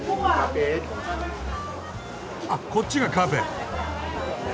あっこっちがカペ。